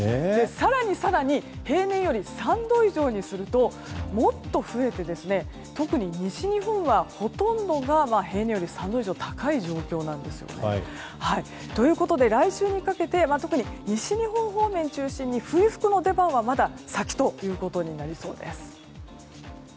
更に更に平年より３度以上にするともっと増えて特に西日本はほとんどが平年より３度以上高い状況なんです。ということで、来週にかけては特に西日本方面中心に冬服の出番は、まだ先ということになりそうです。